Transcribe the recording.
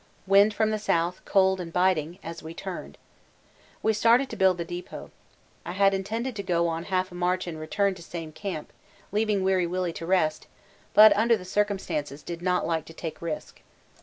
Wind from the south, cold and biting, as we turned out. We started to build the depot. I had intended to go on half a march and return to same camp, leaving Weary Willy to rest, but under the circumstances did not like to take risk.